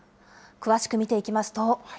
詳しく見ていきますと。